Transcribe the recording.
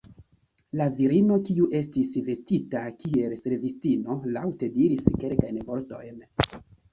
La virino, kiu estis vestita kiel servistino, laŭte diris kelkajn vortojn.